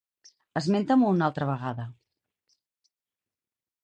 Esmenta-m'ho una altra vegada.